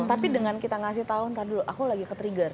tapi dengan kita ngasih tahu tada dulu aku lagi ketrigger